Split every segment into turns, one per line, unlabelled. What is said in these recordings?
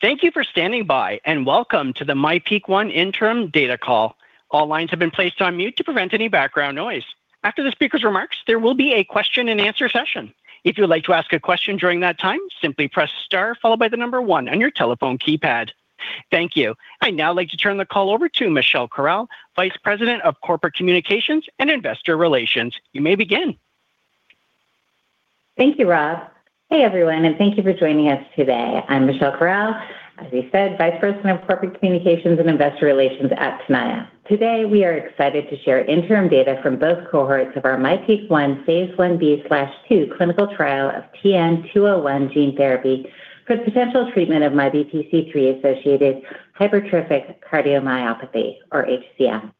Thank you for standing by, welcome to the MyPEAK-1 Interim Data Call. All lines have been placed on mute to prevent any background noise. After the speaker's remarks, there will be a question and answer session. If you would like to ask a question during that time, simply press star followed by the number one on your telephone keypad. Thank you. I'd now like to turn the call over to Michelle Corral, Vice President of Corporate Communications and Investor Relations. You may begin.
Thank you, Rob. Hey everyone, and thank you for joining us today. I'm Michelle Corral, as he said, Vice President of Corporate Communications and Investor Relations at Tenaya. Today, we are excited to share interim data from both cohorts of our MyPEAK-1 phase I-B/II clinical trial of TN-201 gene therapy for potential treatment of MYBPC3-associated hypertrophic cardiomyopathy, or HCM.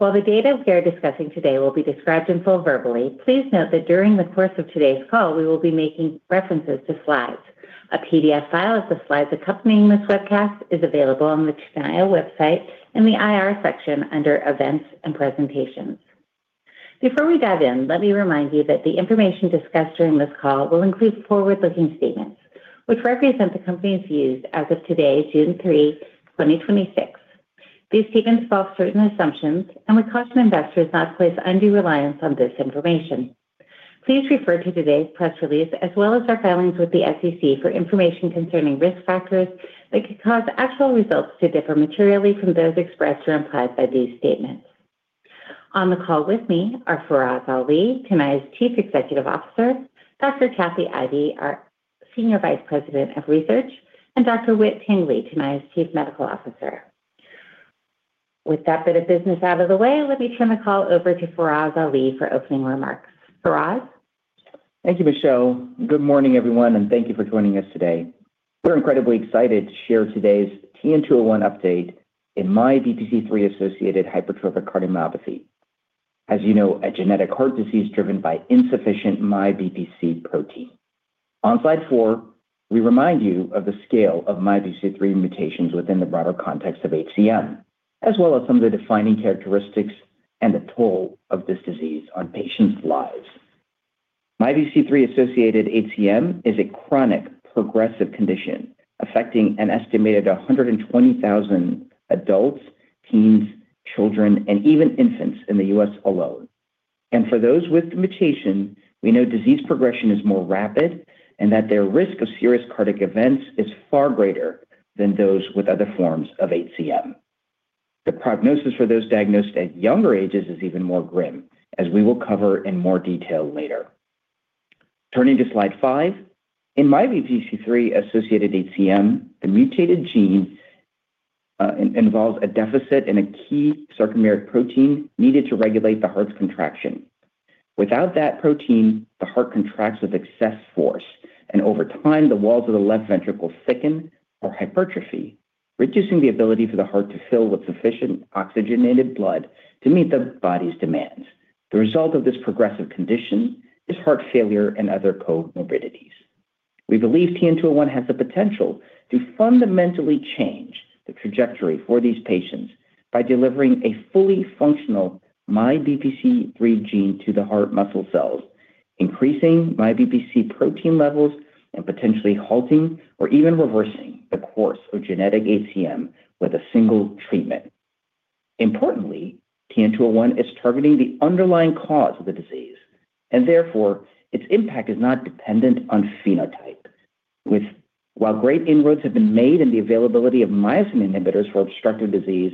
While the data we are discussing today will be described in full verbally, please note that during the course of today's call, we will be making references to slides. A PDF file of the slides accompanying this webcast is available on the Tenaya website in the IR section under Events and Presentations. Before we dive in, let me remind you that the information discussed during this call will include forward-looking statements, which represent the company's views as of today, June 3, 2026. These statements involve certain assumptions. We caution investors not to place undue reliance on this information. Please refer to today's press release, as well as our filings with the SEC for information concerning risk factors that could cause actual results to differ materially from those expressed or implied by these statements. On the call with me are Faraz Ali, Tenaya's Chief Executive Officer, Dr. Kathy Ivey, our Senior Vice President of Research, and Dr. Whit Tingley, Tenaya's Chief Medical Officer. With that bit of business out of the way, let me turn the call over to Faraz Ali for opening remarks. Faraz?
Thank you, Michelle. Good morning, everyone, thank you for joining us today. We're incredibly excited to share today's TN-201 update in MYBPC3-associated hypertrophic cardiomyopathy. As you know, a genetic heart disease driven by insufficient MyBP-C protein. On slide four, we remind you of the scale of MYBPC3 mutations within the broader context of HCM, as well as some of the defining characteristics and the toll of this disease on patients' lives. MYBPC3-associated HCM is a chronic progressive condition affecting an estimated 120,000 adults, teens, children, and even infants in the U.S. alone. For those with the mutation, we know disease progression is more rapid and that their risk of serious cardiac events is far greater than those with other forms of HCM. The prognosis for those diagnosed at younger ages is even more grim, as we will cover in more detail later. Turning to slide five. In MYBPC3-associated HCM, the mutated gene involves a deficit in a key sarcomeric protein needed to regulate the heart's contraction. Without that protein, the heart contracts with excess force, and over time, the walls of the left ventricle thicken or hypertrophy, reducing the ability for the heart to fill with sufficient oxygenated blood to meet the body's demands. The result of this progressive condition is heart failure and other comorbidities. We believe TN-201 has the potential to fundamentally change the trajectory for these patients by delivering a fully functional MYBPC3 gene to the heart muscle cells, increasing MyBP-C protein levels, and potentially halting or even reversing the course of genetic HCM with a single treatment. Importantly, TN-201 is targeting the underlying cause of the disease, and therefore, its impact is not dependent on phenotype. While great inroads have been made in the availability of myosin inhibitors for obstructive disease,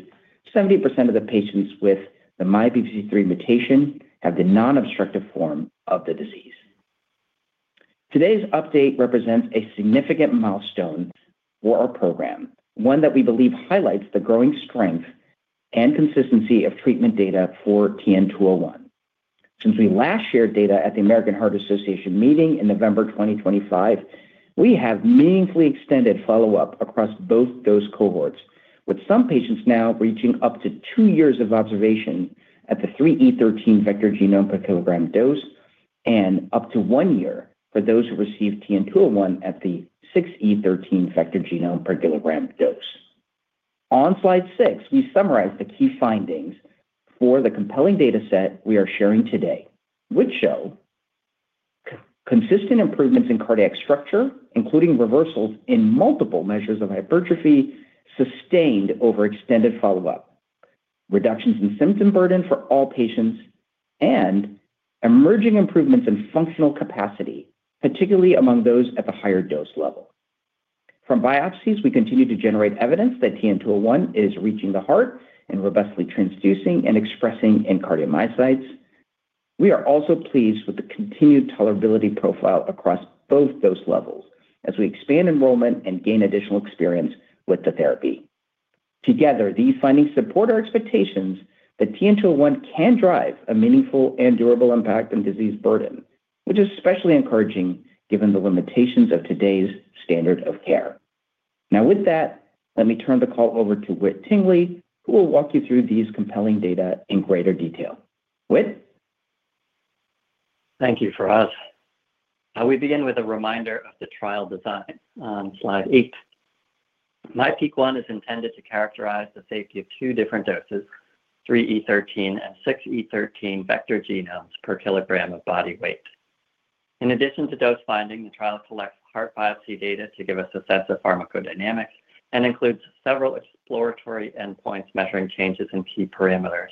70% of the patients with the MYBPC3 mutation have the non-obstructive form of the disease. Today's update represents a significant milestone for our program, one that we believe highlights the growing strength and consistency of treatment data for TN-201. Since we last shared data at the American Heart Association meeting in November 2025, we have meaningfully extended follow-up across both those cohorts with some patients now reaching up to two years of observation at the 3E13 vector genome per kilogram dose, and up to one year for those who received TN-201 at the 6E13 vector genome per kilogram dose. On slide six, we summarize the key findings for the compelling data set we are sharing today, which show consistent improvements in cardiac structure, including reversals in multiple measures of hypertrophy, sustained over extended follow-up, reductions in symptom burden for all patients, and emerging improvements in functional capacity, particularly among those at the higher dose level. From biopsies, we continue to generate evidence that TN-201 is reaching the heart and robustly transducing and expressing in cardiomyocytes. We are also pleased with the continued tolerability profile across both dose levels as we expand enrollment and gain additional experience with the therapy. Together, these findings support our expectations that TN-201 can drive a meaningful and durable impact on disease burden, which is especially encouraging given the limitations of today's standard of care. With that, let me turn the call over to Whit Tingley, who will walk you through these compelling data in greater detail. Whit?
Thank you, Faraz. We begin with a reminder of the trial design on slide eight. MyPEAK-1 is intended to characterize the safety of two different doses, 3E13 and 6E13 vector genomes per kilogram of body weight. In addition to dose finding, the trial collects heart biopsy data to give us a sense of pharmacodynamics and includes several exploratory endpoints measuring changes in key parameters.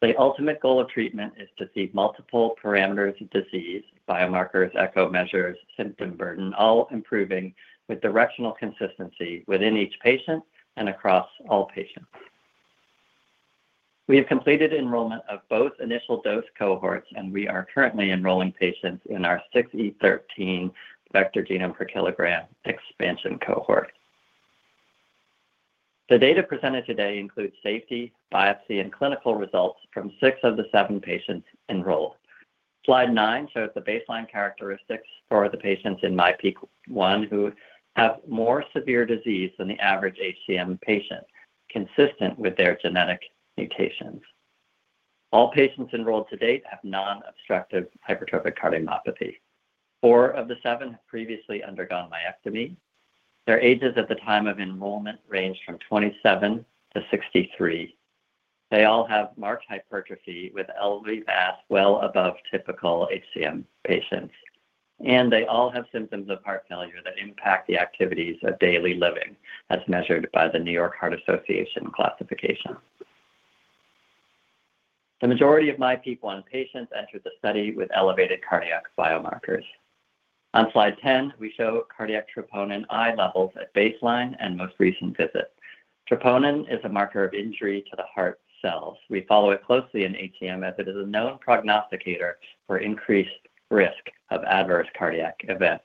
The ultimate goal of treatment is to see multiple parameters of disease, biomarkers, echo measures, symptom burden, all improving with directional consistency within each patient and across all patients. We have completed enrollment of both initial dose cohorts, and we are currently enrolling patients in our 6E13 vector genome per kilogram expansion cohort. The data presented today includes safety, biopsy, and clinical results from six of the seven patients enrolled. Slide nine shows the baseline characteristics for the patients in MyPEAK-1 who have more severe disease than the average HCM patient, consistent with their genetic mutations. All patients enrolled to date have non-obstructive hypertrophic cardiomyopathy. Four of the seven have previously undergone myectomy. Their ages at the time of enrollment ranged from 27 to 63. They all have marked hypertrophy with LV mass well above typical HCM patients. They all have symptoms of heart failure that impact the activities of daily living, as measured by the New York Heart Association classification. The majority of MyPEAK-1 patients entered the study with elevated cardiac biomarkers. On slide 10, we show cardiac troponin I levels at baseline and most recent visits. Troponin is a marker of injury to the heart cells. We follow it closely in HCM as it is a known prognosticator for increased risk of adverse cardiac events.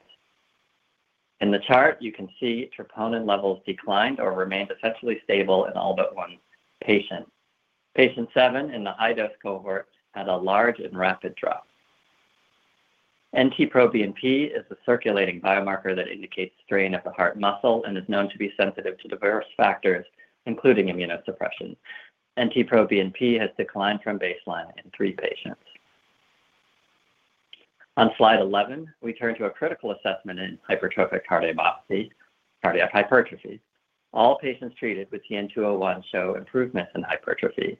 In the chart, you can see troponin levels declined or remained essentially stable in all but one patient. Patient seven in the high-dose cohort had a large and rapid drop. NT-proBNP is a circulating biomarker that indicates strain of the heart muscle and is known to be sensitive to diverse factors, including immunosuppression. NT-proBNP has declined from baseline in three patients. On slide 11, we turn to a critical assessment in hypertrophic cardiomyopathy, cardiac hypertrophy. All patients treated with TN-201 show improvements in hypertrophy.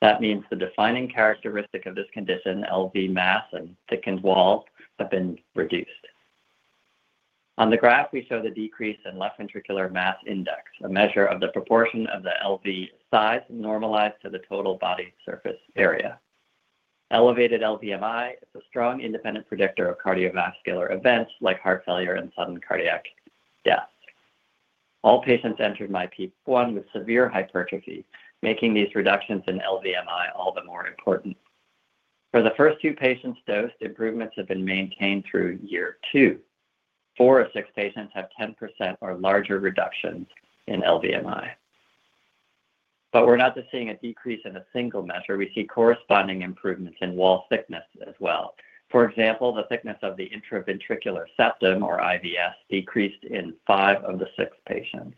That means the defining characteristic of this condition, LV mass and thickened walls, have been reduced. On the graph, we show the decrease in left ventricular mass index, a measure of the proportion of the LV size normalized to the total body surface area. Elevated LVMI is a strong independent predictor of cardiovascular events like heart failure and sudden cardiac death. All patients entered MyPEAK-1 with severe hypertrophy, making these reductions in LVMI all the more important. For the first two patients dosed, improvements have been maintained through year two. Four of six patients have 10% or larger reductions in LVMI. We're not just seeing a decrease in a single measure. We see corresponding improvements in wall thickness as well. For example, the thickness of the intraventricular septum, or IVS, decreased in five of the six patients.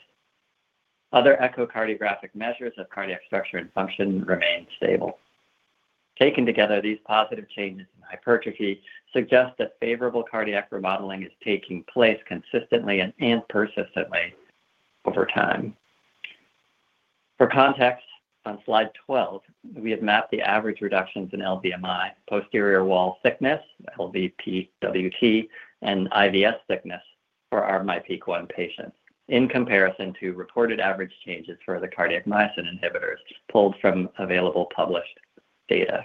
Other echocardiographic measures of cardiac structure and function remained stable. Taken together, these positive changes in hypertrophy suggest that favorable cardiac remodeling is taking place consistently and persistently over time. For context, on slide 12, we have mapped the average reductions in LVMI, posterior wall thickness, LVPWT, and IVS thickness for our MyPEAK-1 patients in comparison to reported average changes for the cardiac myosin inhibitors pulled from available published data.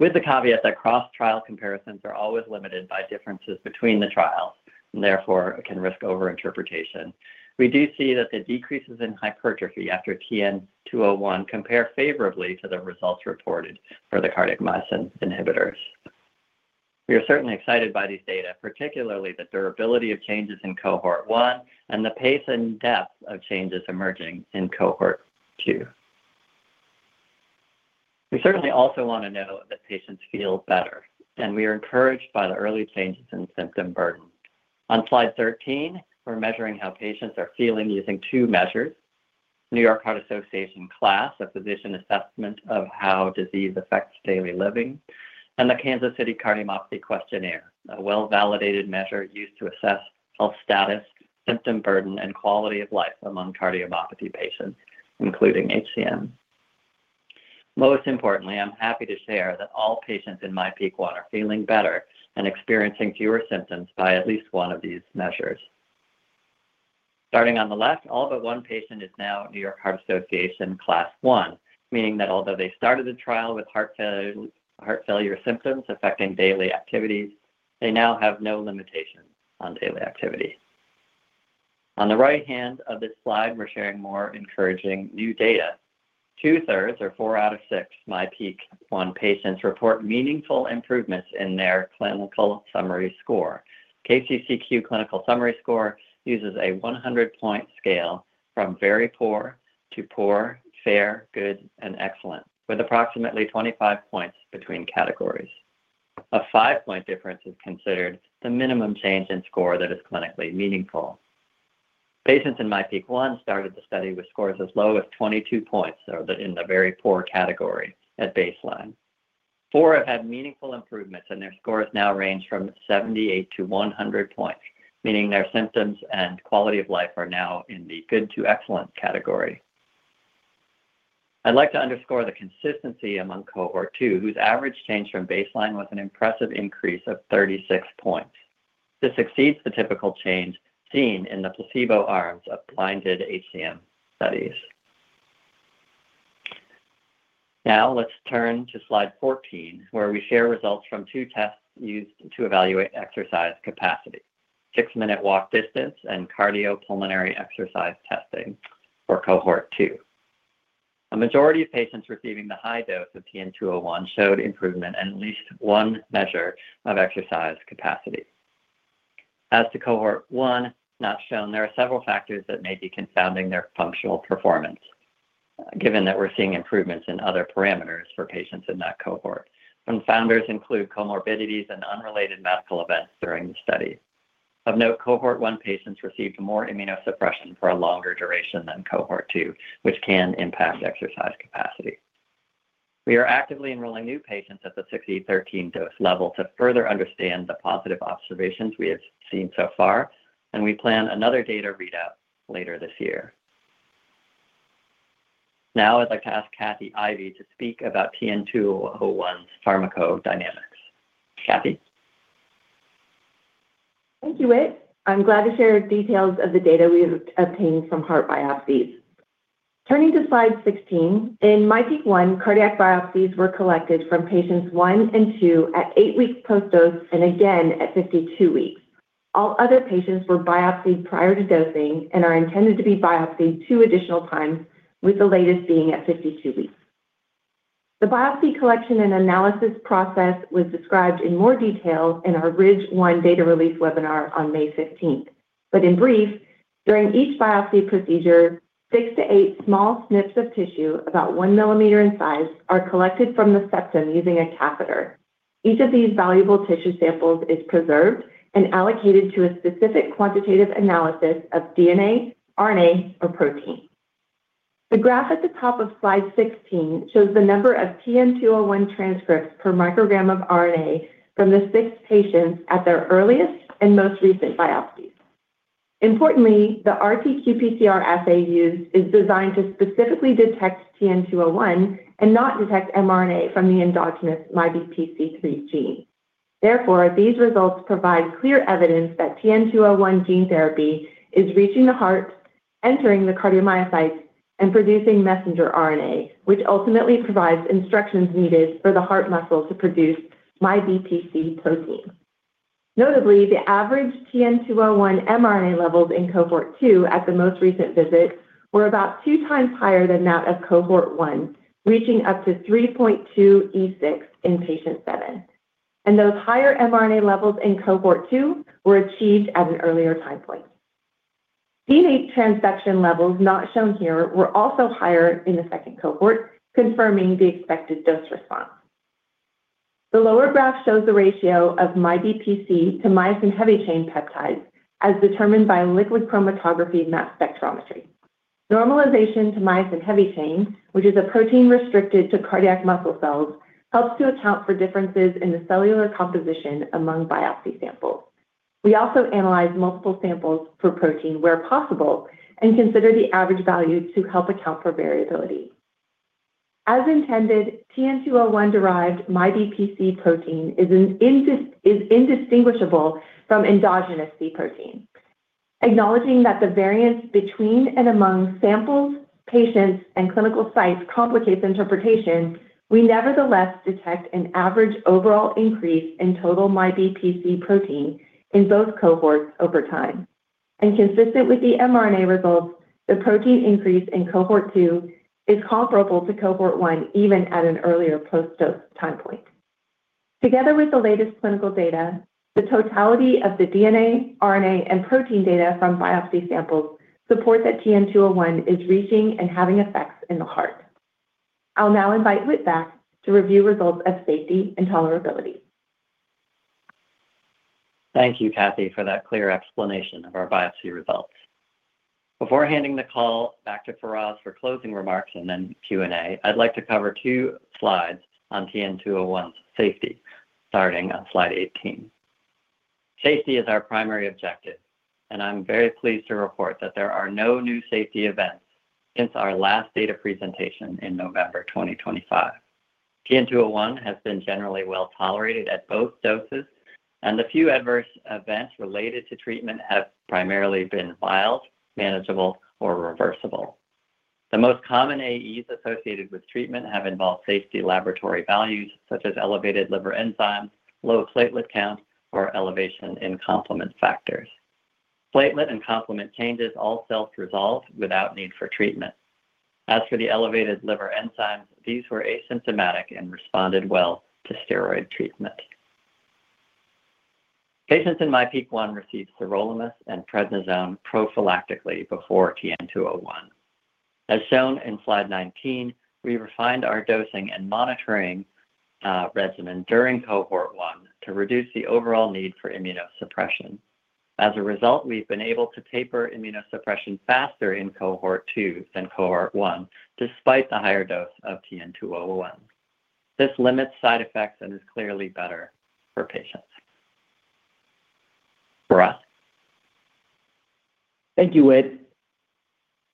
With the caveat that cross-trial comparisons are always limited by differences between the trials, and therefore can risk over-interpretation, we do see that the decreases in hypertrophy after TN-201 compare favorably to the results reported for the cardiac myosin inhibitors. We are certainly excited by these data, particularly the durability of changes in Cohort 1 and the pace and depth of changes emerging in Cohort 2. We certainly also want to know that patients feel better, and we are encouraged by the early changes in symptom burden. On slide 13, we're measuring how patients are feeling using two measures. New York Heart Association Class, a physician assessment of how disease affects daily living, and the Kansas City Cardiomyopathy Questionnaire, a well-validated measure used to assess health status, symptom burden, and quality of life among cardiomyopathy patients, including HCM. Most importantly, I'm happy to share that all patients in MyPEAK-1 are feeling better and experiencing fewer symptoms by at least one of these measures. Starting on the left, all but one patient is now New York Heart Association Class 1, meaning that although they started the trial with heart failure symptoms affecting daily activities, they now have no limitations on daily activity. On the right hand of this slide, we're sharing more encouraging new data. Two-thirds, or four out of six MyPEAK-1 patients report meaningful improvements in their clinical summary score. KCCQ clinical summary score uses a 100-point scale from very poor to poor, fair, good, and excellent, with approximately 25 points between categories. A five-point difference is considered the minimum change in score that is clinically meaningful. Patients in MyPEAK-1 started the study with scores as low as 22 points, or in the very poor category at baseline. Four have had meaningful improvements, and their scores now range from 78 to 100 points, meaning their symptoms and quality of life are now in the good to excellent category. I'd like to underscore the consistency among Cohort 2, whose average change from baseline was an impressive increase of 36 points. This exceeds the typical change seen in the placebo arms of blinded HCM studies. Let's turn to slide 14, where we share results from two tests used to evaluate exercise capacity, six-minute walk distance and cardiopulmonary exercise testing for Cohort 2. A majority of patients receiving the high dose of TN-201 showed improvement in at least one measure of exercise capacity. As to Cohort 1, not shown, there are several factors that may be confounding their functional performance, given that we're seeing improvements in other parameters for patients in that cohort. Confounders include comorbidities and unrelated medical events during the study. Of note, Cohort 1 patients received more immunosuppression for a longer duration than Cohort 2, which can impact exercise capacity. We are actively enrolling new patients at the 6E13 dose level to further understand the positive observations we have seen so far, and we plan another data readout later this year. Now I'd like to ask Kathy Ivey to speak about TN-201's pharmacodynamics. Kathy?
Thank you, Whit. I'm glad to share details of the data we have obtained from heart biopsies. Turning to slide 16, in MyPEAK-1, cardiac biopsies were collected from Patients 1 and 2 at 8 weeks post-dose and again at 52 weeks. All other patients were biopsied prior to dosing and are intended to be biopsied two additional times, with the latest being at 52 weeks. The biopsy collection and analysis process was described in more detail in our RIDGE-1 data release webinar on May 15th. In brief, during each biopsy procedure, six to eight small snips of tissue, about one millimeter in size, are collected from the septum using a catheter. Each of these valuable tissue samples is preserved and allocated to a specific quantitative analysis of DNA, RNA, or protein. The graph at the top of slide 16 shows the number of TN-201 transcripts per microgram of RNA from the six patients at their earliest and most recent biopsies. Importantly, the RT-qPCR assay used is designed to specifically detect TN-201 and not detect mRNA from the endogenous MYBPC3 gene. These results provide clear evidence that TN-201 gene therapy is reaching the heart, entering the cardiomyocytes, and producing messenger RNA, which ultimately provides instructions needed for the heart muscle to produce MyBP-C protein. Notably, the average TN-201 mRNA levels in Cohort 2 at the most recent visit were about 2x higher than that of Cohort 1, reaching up to 3.2 E6 in Patient 7. Those higher mRNA levels in Cohort 2 were achieved at an earlier time point. DNA transduction levels, not shown here, were also higher in the second cohort, confirming the expected dose response. The lower graph shows the ratio of MyBP-C to myosin heavy chain peptides, as determined by liquid chromatography and mass spectrometry. Normalization to myosin heavy chain, which is a protein restricted to cardiac muscle cells, helps to account for differences in the cellular composition among biopsy samples. We also analyzed multiple samples per protein where possible and consider the average value to help account for variability. As intended, TN-201-derived MyBP-C protein is indistinguishable from endogenous MyBP-C protein. Acknowledging that the variance between and among samples, patients, and clinical sites complicates interpretation, we nevertheless detect an average overall increase in total MyBP-C protein in both cohorts over time. Consistent with the mRNA results, the protein increase in Cohort 2 is comparable to Cohort 1, even at an earlier post-dose time point. Together with the latest clinical data, the totality of the DNA, RNA and protein data from biopsy samples support that TN-201 is reaching and having effects in the heart. I'll now invite Whit back to review results of safety and tolerability.
Thank you, Kathy, for that clear explanation of our biopsy results. Before handing the call back to Faraz for closing remarks and then Q&A, I'd like to cover two slides on TN-201's safety, starting on slide 18. Safety is our primary objective, and I'm very pleased to report that there are no new safety events since our last data presentation in November 2025. TN-201 has been generally well-tolerated at both doses, and the few adverse events related to treatment have primarily been mild, manageable, or reversible. The most common AEs associated with treatment have involved safety laboratory values such as elevated liver enzymes, low platelet counts, or elevation in complement factors. Platelet and complement changes all self-resolved without need for treatment. As for the elevated liver enzymes, these were asymptomatic and responded well to steroid treatment. Patients in MyPEAK-1 received sirolimus and prednisone prophylactically before TN-201. As shown in slide 19, we refined our dosing and monitoring regimen during Cohort 1 to reduce the overall need for immunosuppression. As a result, we've been able to taper immunosuppression faster in Cohort 2 than Cohort 1, despite the higher dose of TN-201. This limits side effects and is clearly better for patients. Faraz?
Thank you, Whit.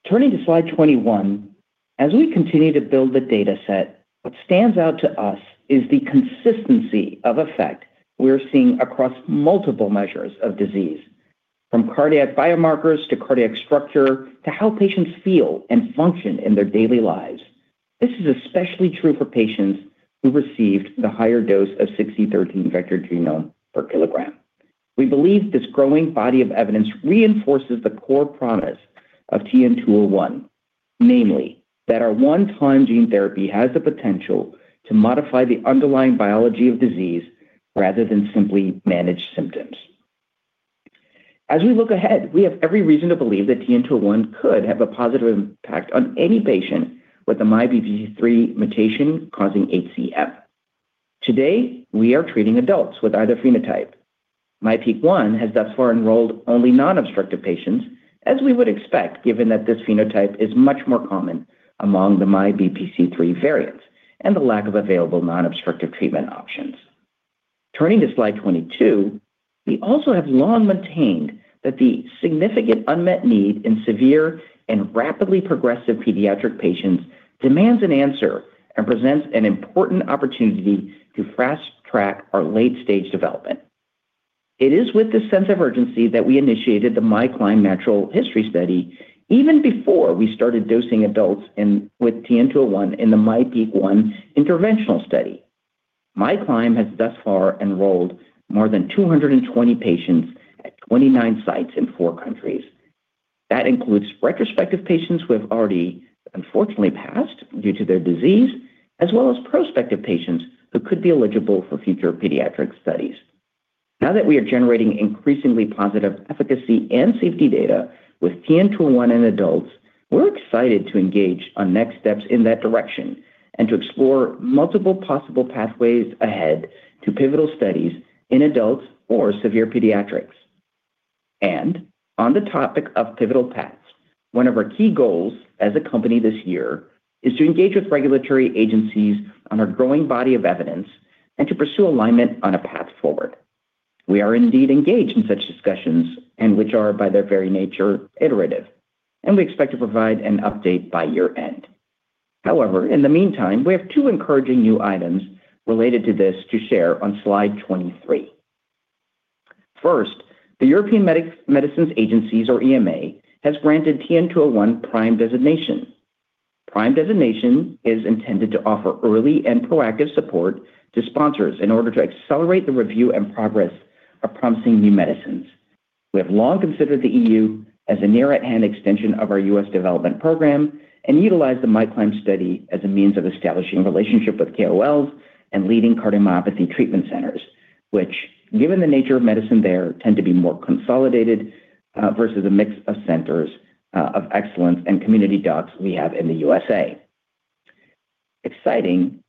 Turning to slide 21, as we continue to build the data set, what stands out to us is the consistency of effect we're seeing across multiple measures of disease, from cardiac biomarkers to cardiac structure, to how patients feel and function in their daily lives. This is especially true for patients who received the higher dose of 6E13 vector genomes per kilogram. We believe this growing body of evidence reinforces the core promise of TN-201, namely that our one-time gene therapy has the potential to modify the underlying biology of disease rather than simply manage symptoms. As we look ahead, we have every reason to believe that TN-201 could have a positive impact on any patient with a MYBPC3 mutation causing HCM. Today, we are treating adults with either phenotype. MyPEAK-1 has thus far enrolled only non-obstructive patients, as we would expect, given that this phenotype is much more common among the MYBPC3 variants and the lack of available non-obstructive treatment options. Turning to slide 22, we also have long maintained that the significant unmet need in severe and rapidly progressive pediatric patients demands an answer and presents an important opportunity to fast track our late-stage development. It is with this sense of urgency that we initiated the MyClimb natural history study even before we started dosing adults with TN-201 in the MyPEAK-1 interventional study. MyClimb has thus far enrolled more than 220 patients at 29 sites in four countries. That includes retrospective patients who have already unfortunately passed due to their disease, as well as prospective patients who could be eligible for future pediatric studies. Now that we are generating increasingly positive efficacy and safety data with TN-201 in adults, we're excited to engage on next steps in that direction and to explore multiple possible pathways ahead to pivotal studies in adults or severe pediatrics. On the topic of pivotal paths, one of our key goals as a company this year is to engage with regulatory agencies on our growing body of evidence and to pursue alignment on a path forward. We are indeed engaged in such discussions and which are, by their very nature, iterative, and we expect to provide an update by year-end. In the meantime, we have two encouraging new items related to this to share on slide 23. The European Medicines Agency, or EMA, has granted TN-201 PRIME Designation. PRIME designation is intended to offer early and proactive support to sponsors in order to accelerate the review and progress of promising new medicines. We have long considered the EU as a near-at-hand extension of our U.S. development program and utilize the MyClimb study as a means of establishing relationship with KOLs and leading cardiomyopathy treatment centers, which given the nature of medicine there, tend to be more consolidated versus a mix of centers of excellence and community docs we have in the U.S. Exciting.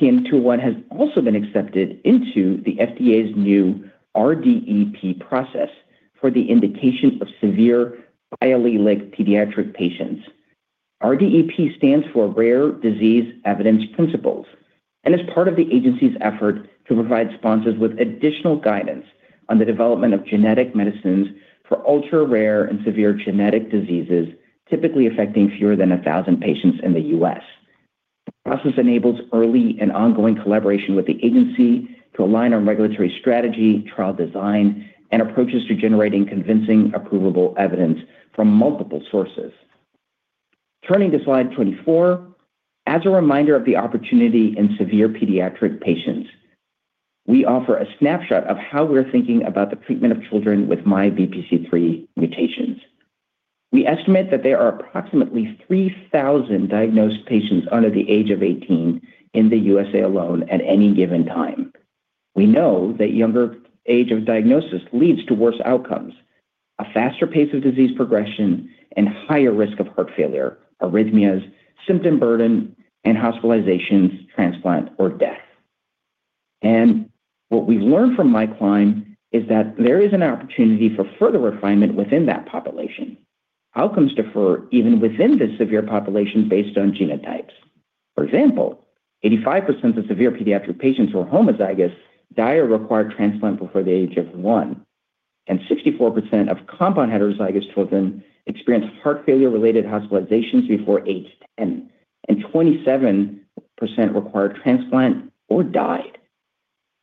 TN-201 has also been accepted into the FDA's new RDEP process for the indication of severe MYBPC3-associated pediatric patients. RDEP stands for Rare Disease Evidence Principles and is part of the agency's effort to provide sponsors with additional guidance on the development of genetic medicines for ultra-rare and severe genetic diseases, typically affecting fewer than 1,000 patients in the U.S. The process enables early and ongoing collaboration with the agency to align on regulatory strategy, trial design, and approaches to generating convincing approvable evidence from multiple sources. Turning to slide 24, as a reminder of the opportunity in severe pediatric patients, we offer a snapshot of how we're thinking about the treatment of children with MYBPC3 mutations. We estimate that there are approximately 3,000 diagnosed patients under the age of 18 in the U.S.A. alone at any given time. We know that younger age of diagnosis leads to worse outcomes, a faster pace of disease progression, and higher risk of heart failure, arrhythmias, symptom burden, and hospitalizations, transplant, or death. What we've learned from MyClimb is that there is an opportunity for further refinement within that population. Outcomes differ even within this severe population based on genotypes. For example, 85% of severe pediatric patients who are homozygous die or require transplant before the age of 1, and 64% of compound heterozygous children experience heart failure-related hospitalizations before age 10, and 27% require transplant or die.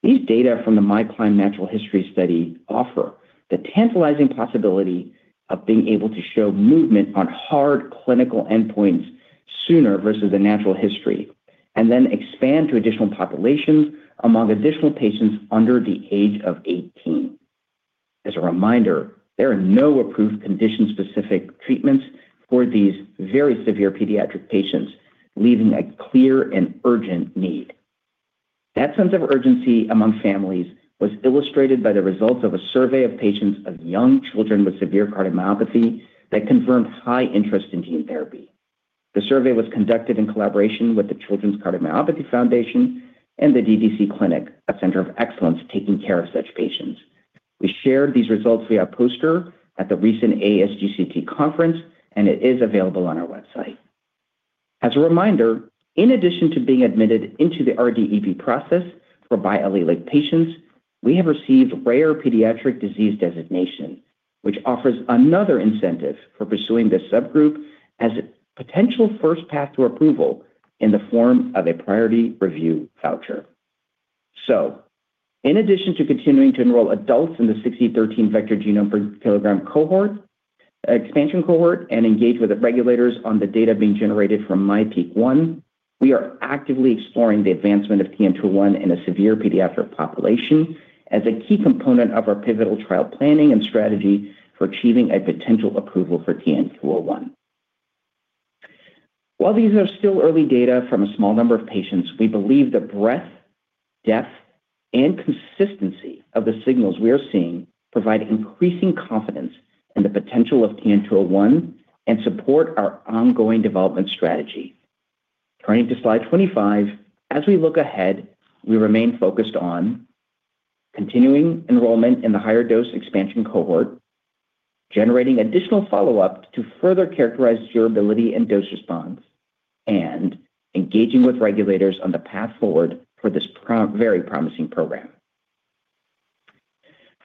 These data from the MyClimb Natural History Study offer the tantalizing possibility of being able to show movement on hard clinical endpoints sooner versus the natural history and then expand to additional populations among additional patients under the age of 18. As a reminder, there are no approved condition-specific treatments for these very severe pediatric patients, leaving a clear and urgent need. That sense of urgency among families was illustrated by the results of a survey of patients of young children with severe cardiomyopathy that confirmed high interest in gene therapy. The survey was conducted in collaboration with the Children's Cardiomyopathy Foundation and the DDC Clinic, a center of excellence taking care of such patients. We shared these results via poster at the recent ASGCT conference. It is available on our website. As a reminder, in addition to being admitted into the RDEP process for biallelic patients, we have received rare pediatric disease designation, which offers another incentive for pursuing this subgroup as a potential first path to approval in the form of a priority review voucher. In addition to continuing to enroll adults in the 6E13 vector genomes per kilogram expansion cohort, and engage with the regulators on the data being generated from MyPEAK-1, we are actively exploring the advancement of TN-201 in a severe pediatric population as a key component of our pivotal trial planning and strategy for achieving a potential approval for TN-201. While these are still early data from a small number of patients, we believe the breadth, depth, and consistency of the signals we are seeing provide increasing confidence in the potential of TN-201 and support our ongoing development strategy. Turning to slide 25, as we look ahead, we remain focused on continuing enrollment in the higher dose expansion cohort, generating additional follow-up to further characterize durability and dose response, and engaging with regulators on the path forward for this very promising program.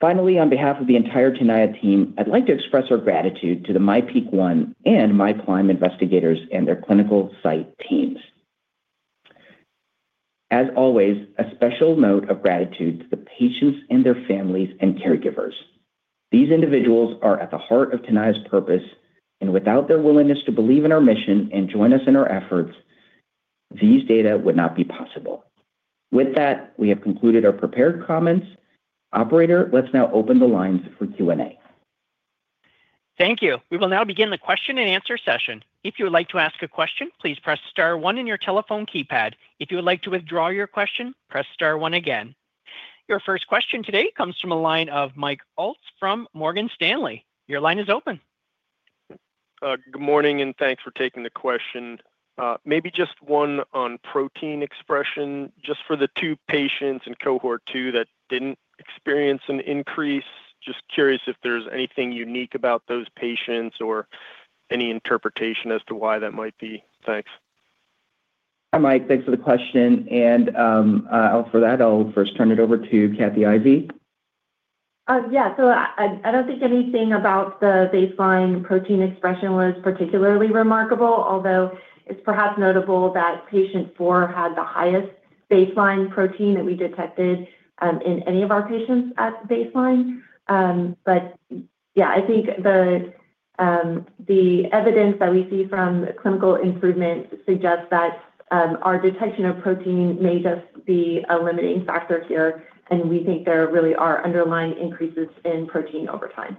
Finally, on behalf of the entire Tenaya team, I'd like to express our gratitude to the MyPEAK-1 and MyClimb investigators and their clinical site teams. As always, a special note of gratitude to the patients and their families and caregivers. These individuals are at the heart of Tenaya's purpose, and without their willingness to believe in our mission and join us in our efforts, these data would not be possible. With that, we have concluded our prepared comments. Operator, let's now open the lines for Q&A.
Thank you. We will now begin the question and answer session. If you would like to ask a question, please press star one on your telephone keypad. If you would like to withdraw your question, press star one again. Your first question today comes from the line of Mike Ulz from Morgan Stanley. Your line is open.
Good morning, thanks for taking the question. Maybe just one on protein expression, just for the two patients in Cohort 2 that didn't experience an increase. Just curious if there's anything unique about those patients or any interpretation as to why that might be. Thanks.
Hi, Mike. Thanks for the question. For that, I'll first turn it over to Kathy Ivey.
I don't think anything about the baseline protein expression was particularly remarkable, although it's perhaps notable that Patient 4 had the highest baseline protein that we detected in any of our patients at baseline. I think the evidence that we see from clinical improvement suggests that our detection of protein may just be a limiting factor here, and we think there really are underlying increases in protein over time.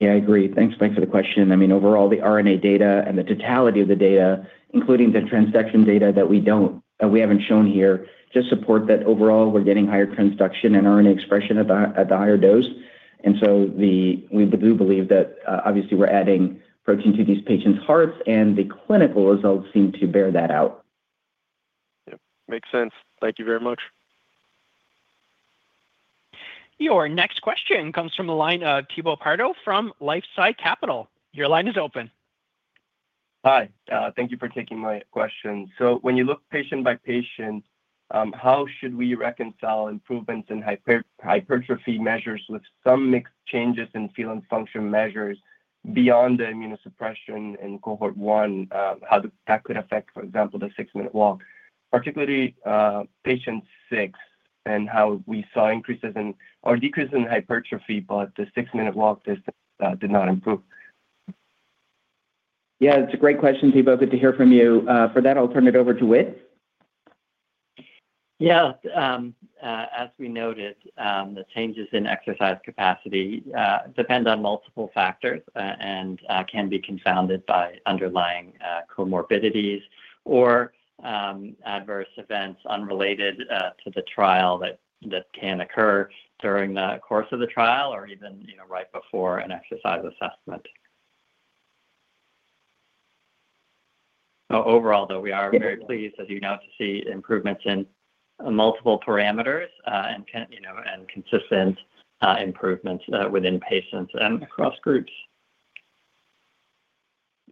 Yeah, I agree. Thanks for the question. I mean, overall, the RNA data and the totality of the data, including the transduction data that we haven't shown here, just support that overall, we're getting higher transduction and RNA expression at the higher dose. We do believe that obviously we're adding protein to these patients' hearts, and the clinical results seem to bear that out.
Yep. Makes sense. Thank you very much.
Your next question comes from the line of Thibaut Pardo from LifeSci Capital. Your line is open.
Hi. Thank you for taking my question. When you look patient by patient, how should we reconcile improvements in hypertrophy measures with some mixed changes in feeling function measures beyond the immunosuppression in Cohort 1, how that could affect, for example, the six-minute walk? Particularly Patient 6, and how we saw a decrease in hypertrophy, but the six-minute walk test did not improve.
Yeah, it's a great question, Thibaut. Good to hear from you. For that, I'll turn it over to Whit.
Yeah. As we noted, the changes in exercise capacity depend on multiple factors and can be confounded by underlying comorbidities or adverse events unrelated to the trial that can occur during the course of the trial or even right before an exercise assessment. Overall, though, we are very pleased, as you know, to see improvements in multiple parameters and consistent improvements within patients and across groups.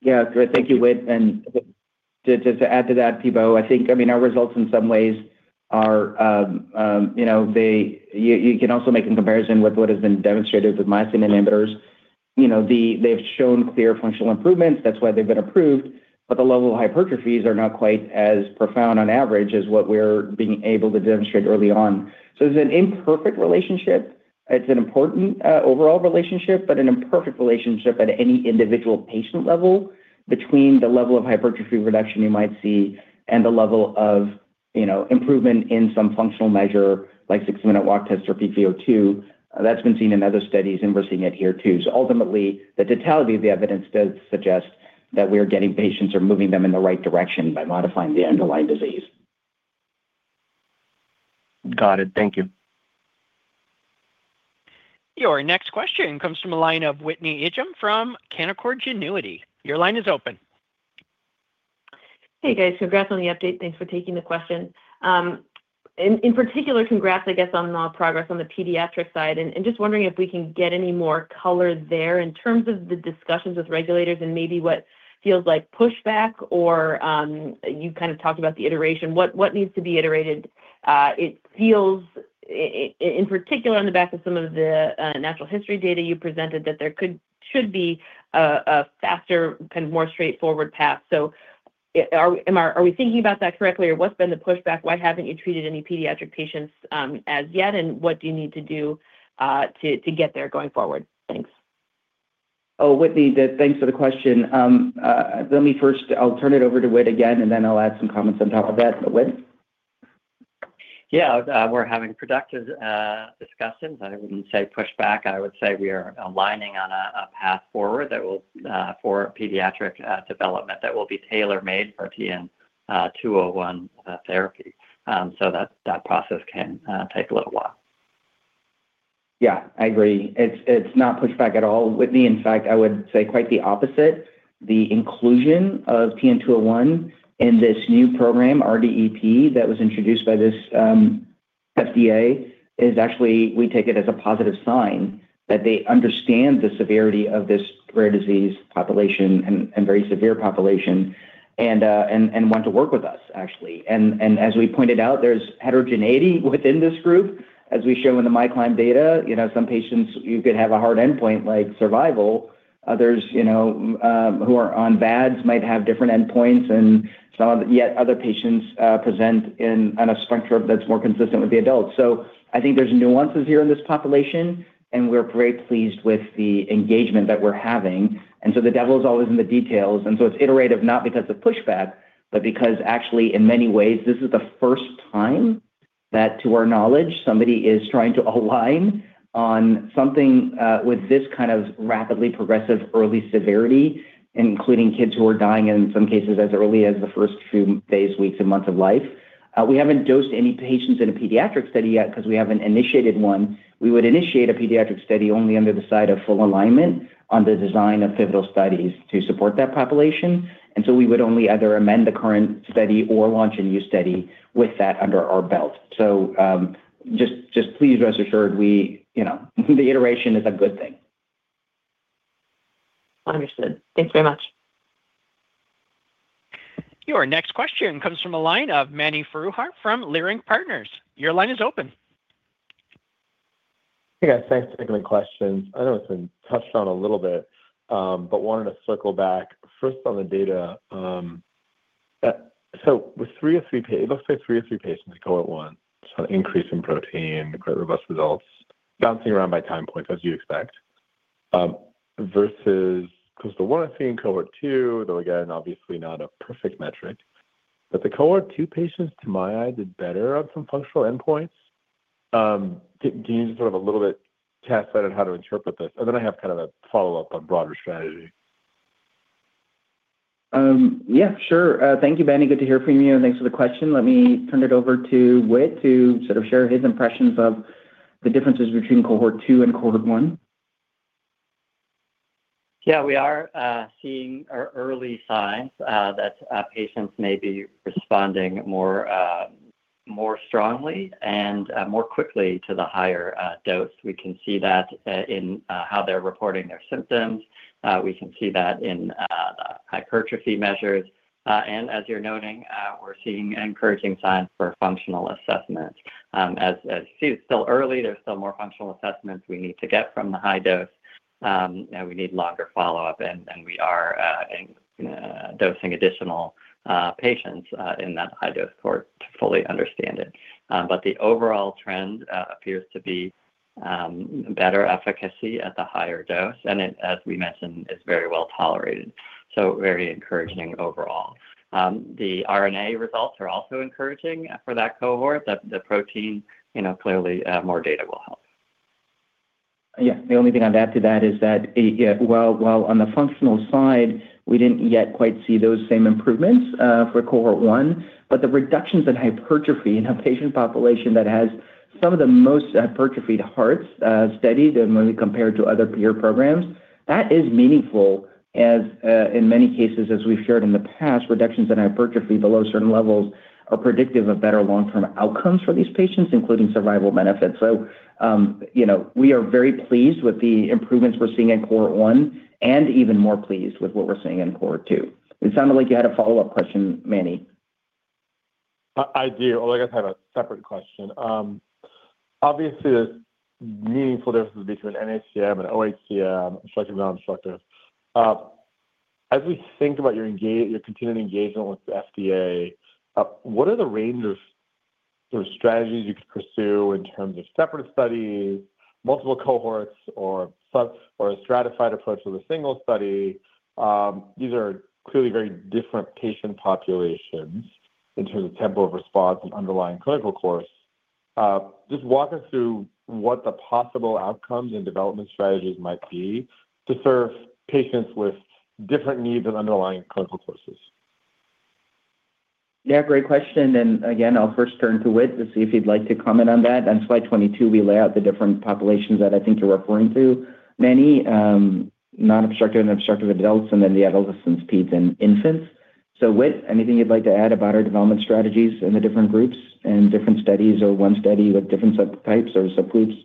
Yeah. Great. Thank you, Whit. Just to add to that, Thibaut, I think our results in some ways are, you can also make a comparison with what has been demonstrated with myosin inhibitors. They've shown clear functional improvements. That's why they've been approved. The level of hypertrophies are not quite as profound on average as what we're being able to demonstrate early on. It's an imperfect relationship. It's an important overall relationship, but an imperfect relationship at any individual patient level between the level of hypertrophy reduction you might see and the level of improvement in some functional measure like six-minute walk test or pVO2. That's been seen in other studies, and we're seeing it here too. Ultimately, the totality of the evidence does suggest that we are getting patients or moving them in the right direction by modifying the underlying disease.
Got it. Thank you.
Your next question comes from the line of Whitney Ijem from Canaccord Genuity. Your line is open.
Hey, guys. Congrats on the update. Thanks for taking the question. In particular, congrats, I guess, on the progress on the pediatric side. Just wondering if we can get any more color there in terms of the discussions with regulators and maybe what feels like pushback or you kind of talked about the iteration. What needs to be iterated? It feels, in particular on the back of some of the natural history data you presented, that there should be a faster, more straightforward path. Are we thinking about that correctly, or what's been the pushback? Why haven't you treated any pediatric patients as yet, and what do you need to do to get there going forward? Thanks.
Oh, Whitney, thanks for the question. Let me first, I'll turn it over to Whit again, then I'll add some comments on top of that. Whit?
Yeah, we're having productive discussions. I wouldn't say pushback. I would say we are aligning on a path forward for pediatric development that will be tailor-made for TN-201 therapy. That process can take a little while.
Yeah, I agree. It's not pushback at all, Whitney. In fact, I would say quite the opposite. The inclusion of TN-201 in this new program, RDEP, that was introduced by this FDA is actually, we take it as a positive sign that they understand the severity of this rare disease population and very severe population and want to work with us, actually. As we pointed out, there's heterogeneity within this group. As we show in the MyClimb data, some patients, you could have a hard endpoint like survival. Others who are on VADs might have different endpoints, and yet other patients present on a spectrum that's more consistent with the adults. I think there's nuances here in this population, and we're very pleased with the engagement that we're having. The devil is always in the details, and so it's iterative, not because of pushback, but because actually, in many ways, this is the first time that, to our knowledge, somebody is trying to align on something with this kind of rapidly progressive early severity, including kids who are dying in some cases as early as the first few days, weeks and months of life. We haven't dosed any patients in a pediatric study yet because we haven't initiated one. We would initiate a pediatric study only under the site of full alignment on the design of pivotal studies to support that population. We would only either amend the current study or launch a new study with that under our belt. Just please rest assured, the iteration is a good thing.
Understood. Thanks very much.
Your next question comes from the line of Mani Foroohar from Leerink Partners. Your line is open.
Hey, guys. Thanks for taking the questions. I know it's been touched on a little bit, wanted to circle back first on the data. With three patients, Cohort 1 saw an increase in protein, quite robust results, bouncing around by time point as you expect, versus Cohort 2, though, again, obviously not a perfect metric. The Cohort 2 patients, to my eye, did better on some functional endpoints. Can you sort of a little bit cast light on how to interpret this? Then I have kind of a follow-up on broader strategy.
Yeah, sure. Thank you, Mani. Good to hear from you, and thanks for the question. Let me turn it over to Whit to sort of share his impressions of the differences between Cohort 2 and Cohort 1.
Yeah, we are seeing early signs that patients may be responding more strongly and more quickly to the higher dose. We can see that in how they're reporting their symptoms. We can see that in hypertrophy measures. As you're noting, we're seeing encouraging signs for functional assessment. As you see, it's still early. There's still more functional assessments we need to get from the high dose. We need longer follow-up, and we are dosing additional patients in that high dose cohort to fully understand it. The overall trend appears to be better efficacy at the higher dose, and as we mentioned, is very well tolerated. Very encouraging overall. The RNA results are also encouraging for that cohort. The protein, clearly more data will help.
Yeah, the only thing I'd add to that is that while on the functional side, we didn't yet quite see those same improvements for Cohort 1. The reductions in hypertrophy in a patient population that has some of the most hypertrophied hearts studied when we compare to other peer programs, that is meaningful as in many cases as we've shared in the past, reductions in hypertrophy below certain levels are predictive of better long-term outcomes for these patients, including survival benefits. We are very pleased with the improvements we're seeing in Cohort 1 and even more pleased with what we're seeing in Cohort 2. It sounded like you had a follow-up question, Mani.
I do. Well, I guess I have a separate question. Obviously, there's meaningful differences between nHCM and oHCM, obstructive and non-obstructive. As we think about your continuing engagement with the FDA, what are the range of sort of strategies you could pursue in terms of separate studies, multiple cohorts, or a stratified approach with a single study? These are clearly very different patient populations in terms of tempo of response and underlying clinical course. Just walk us through what the possible outcomes and development strategies might be to serve patients with different needs and underlying clinical courses.
Yeah, great question. Again, I'll first turn to Whit to see if he'd like to comment on that. On slide 22, we lay out the different populations that I think you're referring to. Many non-obstructive and obstructive adults, and then the adolescents, peds, and infants. Whit, anything you'd like to add about our development strategies in the different groups and different studies or one study with different subtypes or subgroups?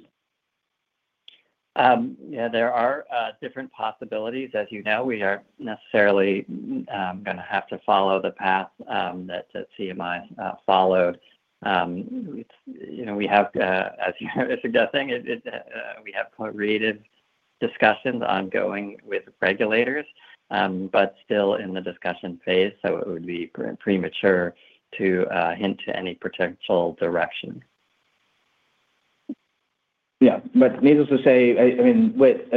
Yeah. There are different possibilities. As you know, we are necessarily going to have to follow the path that CMI followed. We have, as you're suggesting, we have deliberated discussions ongoing with regulators but still in the discussion phase. It would be premature to hint to any potential direction.
Needless to say, Whit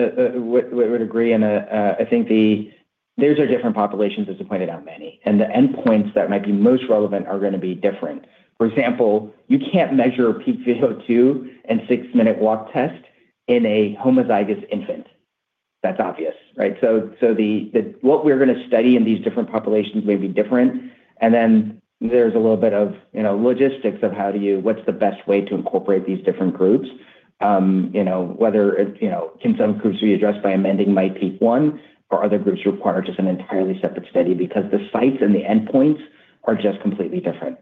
would agree, and I think these are different populations, as you pointed out, Mani. The endpoints that might be most relevant are going to be different. For example, you can't measure a pVO2 and six-minute walk test in a homozygous infant. That's obvious, right? What we're going to study in these different populations may be different, and then there's a little bit of logistics of what's the best way to incorporate these different groups. Can some groups be addressed by amending MyPEAK-1 or other groups require just an entirely separate study because the sites and the endpoints are just completely different.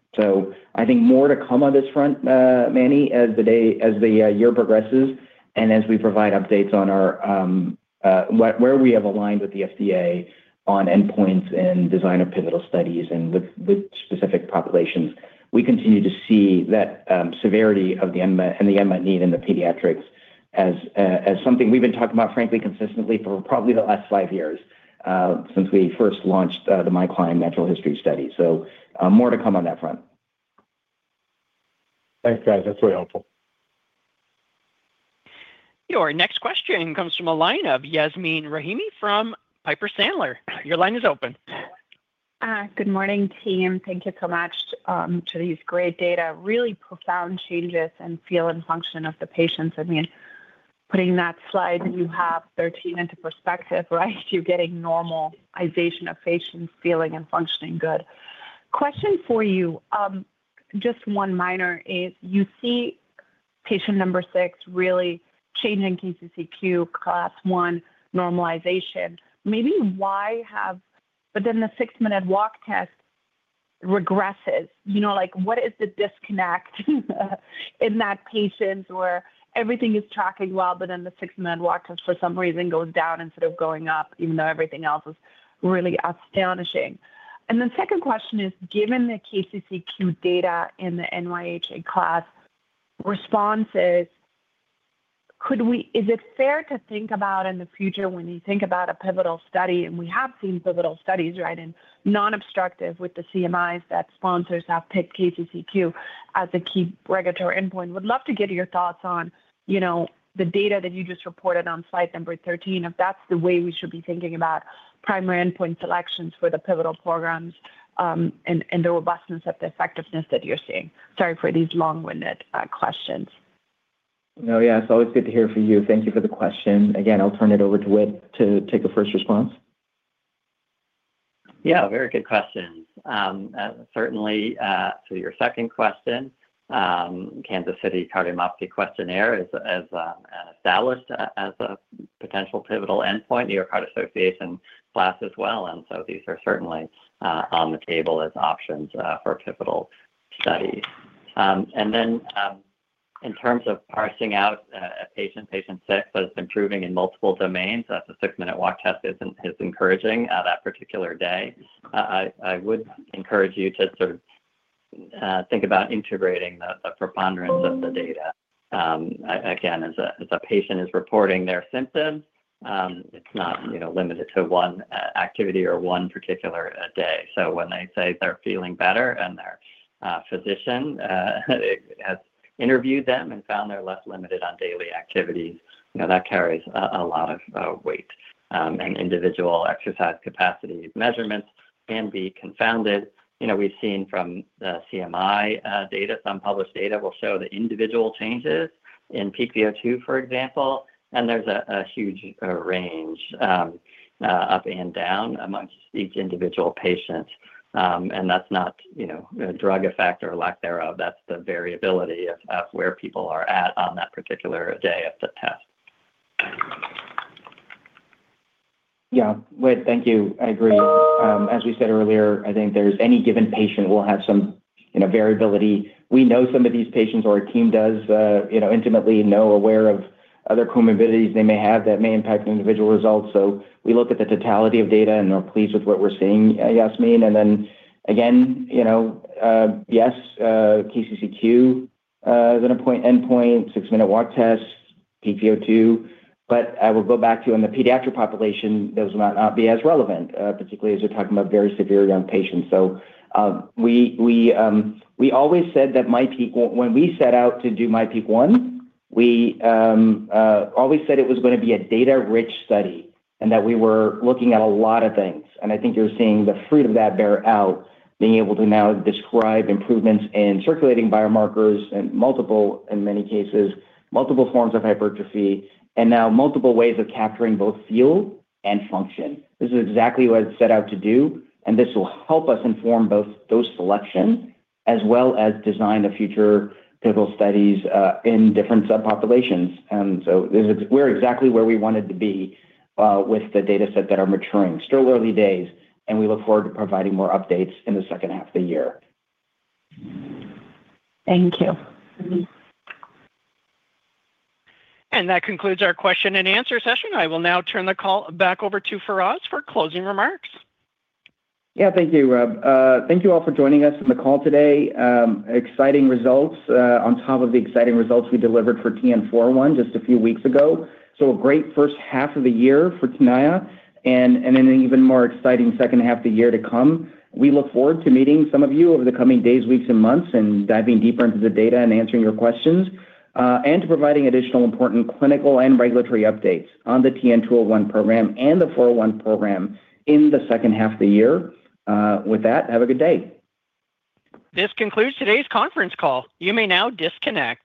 I think more to come on this front, Mani, as the year progresses and as we provide updates on where we have aligned with the FDA on endpoints and design of pivotal studies and with specific populations. We continue to see that severity of the end and the unmet need in the pediatrics as something we've been talking about, frankly, consistently for probably the last five years since we first launched the MyClimb natural history study. More to come on that front.
Thanks, guys. That's really helpful.
Your next question comes from the line of Yasmeen Rahimi from Piper Sandler. Your line is open.
Good morning, team. Thank you so much to these great data. Really profound changes in feel and function of the patients. Putting that slide you have, 13, into perspective, right? You're getting normalization of patients feeling and functioning good. Question for you, just one minor is you see Patient number 6 really changing KCCQ Class I normalization. The six-minute walk test regresses. What is the disconnect in that patient where everything is tracking well, but then the six-minute walk test for some reason goes down instead of going up, even though everything else is really astonishing? The second question is, given the KCCQ data in the NYHA class responses, is it fair to think about in the future when you think about a pivotal study, and we have seen pivotal studies in non-obstructive with the CMIs that sponsors have picked KCCQ as a key regulatory endpoint. Would love to get your thoughts on the data that you just reported on slide number 13, if that's the way we should be thinking about primary endpoint selections for the pivotal programs, and the robustness of the effectiveness that you're seeing? Sorry for these long-winded questions.
No, yeah. It's always good to hear from you. Thank you for the question. Again, I'll turn it over to Whit to take a first response.
Yeah, very good questions. Certainly, to your second question, Kansas City Cardiomyopathy Questionnaire is established as a potential pivotal endpoint. New York Heart Association class as well. These are certainly on the table as options for pivotal studies. In terms of parsing out patient 6 that is improving in multiple domains, the six-minute walk test is encouraging at that particular day. I would encourage you to think about integrating the preponderance of the data. Again, as a patient is reporting their symptoms, it's not limited to one activity or one particular day. When they say they're feeling better and their physician has interviewed them and found they're less limited on daily activities, that carries a lot of weight. Individual exercise capacity measurements can be confounded. We've seen from the CMI data, some published data will show the individual changes in pVO2, for example, and there's a huge range up and down amongst each individual patient. That's not a drug effect or lack thereof. That's the variability of where people are at on that particular day of the test.
Whit, thank you. I agree. As we said earlier, I think there's any given patient will have some variability. We know some of these patients or our team does intimately know, aware of other comorbidities they may have that may impact individual results. We look at the totality of data and are pleased with what we're seeing, Yasmeen. Again, yes, KCCQ is an endpoint, six-minute walk test, pVO2. I will go back to in the pediatric population, those might not be as relevant, particularly as we're talking about very severe young patients. When we set out to do MyPEAK-1, we always said it was going to be a data-rich study, and that we were looking at a lot of things. I think you're seeing the fruit of that bear out, being able to now describe improvements in circulating biomarkers and multiple, in many cases, multiple forms of hypertrophy, and now multiple ways of capturing both feel and function. This is exactly what it's set out to do, and this will help us inform both dose selection as well as design of future pivotal studies in different subpopulations. We're exactly where we wanted to be with the data set that are maturing. Still early days. We look forward to providing more updates in the second half of the year.
Thank you.
That concludes our question and answer session. I will now turn the call back over to Faraz for closing remarks.
Thank you, Rob. Thank you all for joining us on the call today. Exciting results on top of the exciting results we delivered for TN-401 just a few weeks ago. A great first half of the year for Tenaya and an even more exciting second half of the year to come. We look forward to meeting some of you over the coming days, weeks, and months and diving deeper into the data and answering your questions, and to providing additional important clinical and regulatory updates on the TN-201 program and the TN-401 program in the second half of the year. With that, have a good day.
This concludes today's conference call. You may now disconnect.